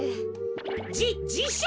じじしょ！？